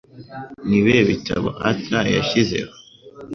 Nibihe ibitabo Arthur Yashyizeho